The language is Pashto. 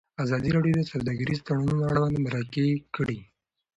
ازادي راډیو د سوداګریز تړونونه اړوند مرکې کړي.